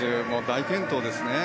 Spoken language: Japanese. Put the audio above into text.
大健闘ですね。